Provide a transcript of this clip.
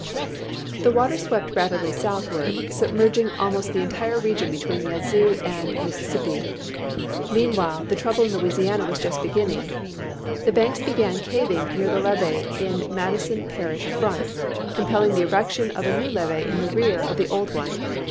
The water swept rapidly southward, submerging almost the entire region between the Yazoo and Mississippi. Meanwhile, the trouble in Louisiana was just beginning. The banks began caving near the levee in Madison Parish Front, compelling the erection of a new levee in the rear of the old one.